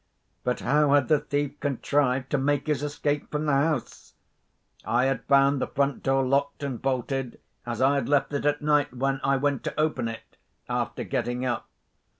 But how had the thief contrived to make his escape from the house? I had found the front door locked and bolted, as I had left it at night, when I went to open it, after getting up.